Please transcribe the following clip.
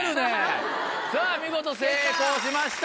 さぁ見事成功しました